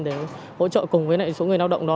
để hỗ trợ cùng với số người lao động đó